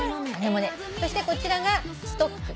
そしてこちらがストック。